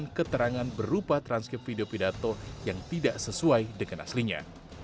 dan keterangan berupa transkrip video pidato yang tidak sesuai dengan aslinya